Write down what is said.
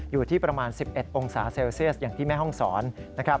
อยู่ที่ประมาณ๑๑องศาเซลเซียสอย่างที่แม่ห้องศรนะครับ